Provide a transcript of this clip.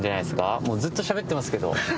もうずっとしゃべってますけど。